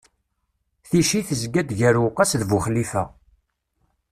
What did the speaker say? Ticci tezga-d gar Uwqas d Buxlifa.